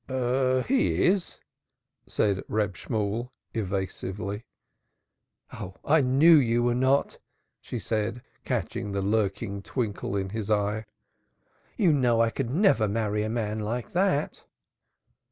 "He is." said Reb Shemuel, evasively. "Ah, I knew you were not," she said, catching the lurking twinkle in his eye. "You know I could never marry a man like that."